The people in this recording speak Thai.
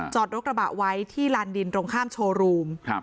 รถกระบะไว้ที่ลานดินตรงข้ามโชว์รูม